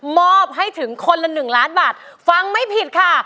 มอบให้ถึงคนละ๑ล้านบาทฟังไม่ผิดค่ะ